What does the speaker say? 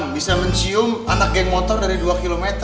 bisa mencium anak geng motor dari dua km abah udah tau itu